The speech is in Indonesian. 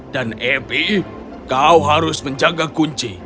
dan epi kau harus menjaga kunci